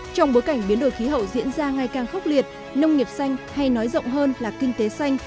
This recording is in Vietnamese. trong bối cảnh biến đổi khí hậu diễn ra ngày càng khốc liệt nông nghiệp xanh hay nói rộng hơn là kinh tế xanh